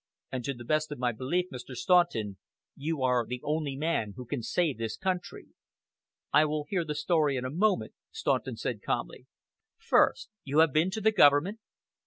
And to the best of my belief, Mr. Staunton, you are the only man who can save this country." "I will hear the story in a moment," Staunton said calmly. "First! You have been to the government?"